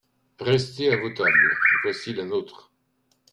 Restez à vos tables ; voici la nôtre…